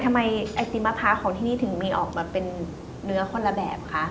ไอติมมะพร้าวของที่นี่ถึงมีออกมาเป็นเนื้อคนละแบบคะ